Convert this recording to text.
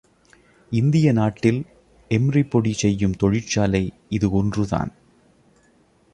இந்திய நாட்டில் எம்ரிபொடி செய்யும் தொழிற்சாலை இது ஒன்று தான்.